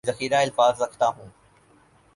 ذخیرہ الفاظ رکھتا ہوں